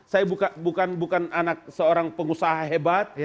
saya bukan anak seorang pengusaha hebat